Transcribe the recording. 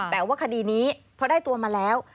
แต่ว่าคดีนี้พอได้ตัวมาแล้ว